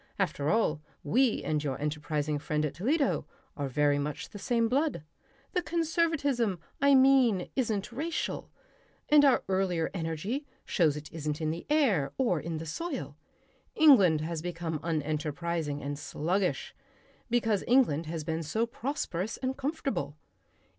After all, we and your enterprising friend at Toledo, are very much the same blood. The conservatism, I mean, isn't racial. And our earlier energy shows it isn't in the air or in the soil. England has become unenterprising and sluggish because England has been so prosperous and comfortable...."